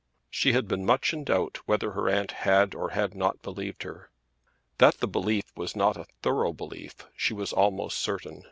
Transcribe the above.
She had been much in doubt whether her aunt had or had not believed her. That the belief was not a thorough belief she was almost certain.